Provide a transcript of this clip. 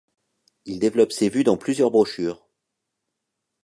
Il développe ses vues dans plusieurs brochures.